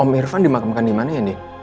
om irfan dimakamkan dimana ya din